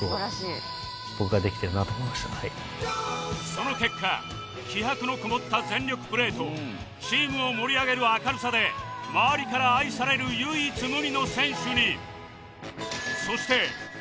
その結果気迫のこもった全力プレーとチームを盛り上げる明るさで周りから愛される唯一無二の選手に